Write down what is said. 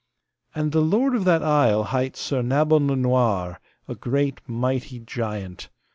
And the lord of that isle, hight Sir Nabon le Noire, a great mighty giant.